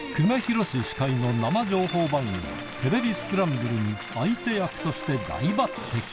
久米宏司会の生情報番組、テレビスクランブルに相手役として大抜てき。